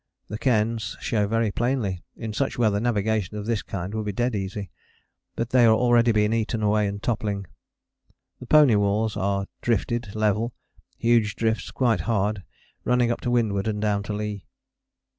The cairns show very plainly in such weather navigation of this kind would be dead easy. But they are already being eaten away and toppling. The pony walls are drifted level huge drifts, quite hard, running up to windward and down to lee.